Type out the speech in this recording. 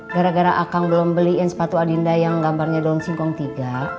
gara gara akang belum beliin sepatu adinda yang gambarnya daun singkong tiga